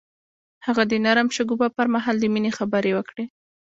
هغه د نرم شګوفه پر مهال د مینې خبرې وکړې.